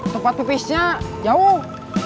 cepet pepisnya jauh